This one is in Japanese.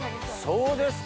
そうです。